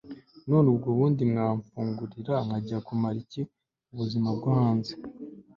none ubwo ubundi mwamfungura nkajya kumara iki mu bizima bwo hanze